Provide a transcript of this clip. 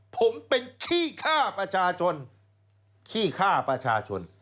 ผมเป็นขี้ฆ่าประชาชนขี้ฆ่าประชาชน